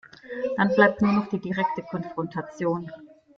Dann bleibt nur noch die direkte Konfrontation.